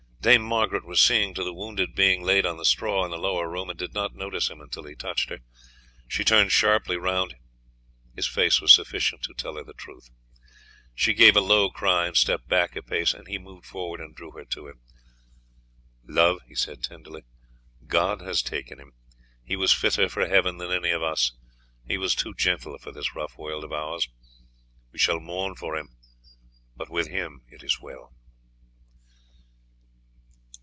Dame Margaret was seeing to the wounded being laid on the straw in the lower room, and did not notice him until he touched her. She turned sharply round, his face was sufficient to tell her the truth. She gave a low cry and stepped back a pace, and he moved forwards and drew her to him. "Love," he said tenderly, "God has taken him. He was fitter for heaven than any of us; he was too gentle for this rough world of ours. We shall mourn for him, but with him it is well."